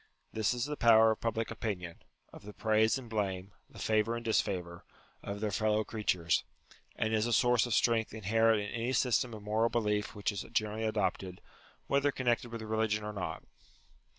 This is the power of public opinion ; of the praise and blame, the favour and disfavour, of their fellow creatures ; and is a source of strength inherent in any system of moral belief which is generally adopted, whether connected with religion or not.